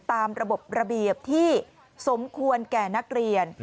ตามระบบระเบียบที่สมควรแก่นักเรียน